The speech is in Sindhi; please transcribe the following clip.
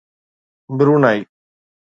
برونائي